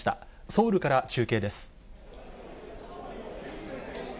ソウルから中継です。